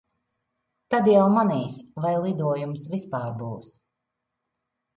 Tad jau manīs, vai lidojumus vispār būs.